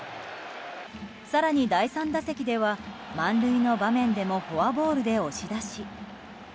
更に第３打席では満塁の場面でもフォアボールで押し出し。